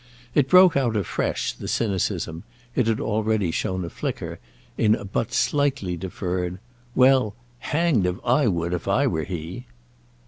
It broke out afresh, the cynicism—it had already shown a flicker—in a but slightly deferred: "Well, hanged if I would if I were he!"